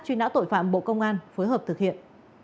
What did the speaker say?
truy nã tội phạm bộ công an phối hợp thực hiện